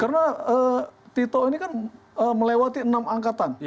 karena tito ini kan melewati enam angkatan